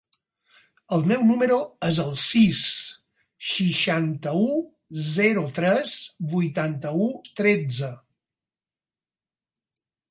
El meu número es el sis, seixanta-u, zero, tres, vuitanta-u, tretze.